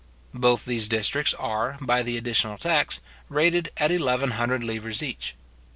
Both these districts are, by the additional tax, rated at eleven hundred livres each.